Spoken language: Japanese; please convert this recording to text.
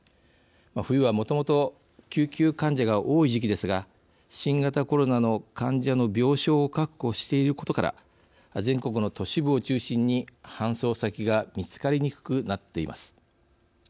冬は、もともと救急患者が多い時期ですが新型コロナの患者の病床を確保していることから全国の都市部を中心に、搬送先が見つかりにくくなっています。